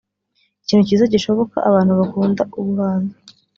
Ikintu cyiza gishoboka abantu bakunda ubuhanzi